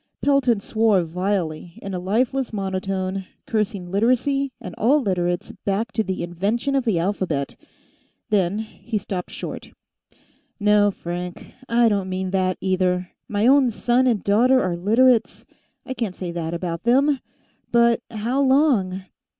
Pelton swore vilely, in a lifeless monotone, cursing Literacy, and all Literates back to the invention of the alphabet. Then he stopped short. "No, Frank, I don't mean that, either. My own son and daughter are Literates; I can't say that about them. But how long